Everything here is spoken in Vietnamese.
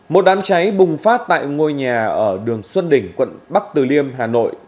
một đám cháy bùng phát tại ngôi nhà ở đường xuân đỉnh quận bắc từ liêm hà nội